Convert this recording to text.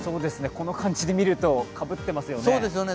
この感じで見ると、かぶっていますよね。